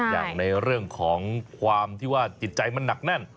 อย่างในเรื่องของความที่ว่าจิตใจมันหนักแน่น